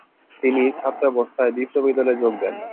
তিনি ছাত্রাবস্থায় বিপ্লবী দলে যোগ দেন।